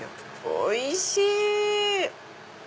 おいしい！